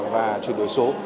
và chuyển đổi số